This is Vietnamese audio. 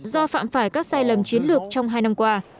do phạm phải các sai lầm chiến lược trong hai năm qua